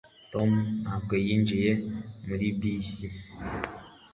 Tom ntabwo yinjiye muri bisi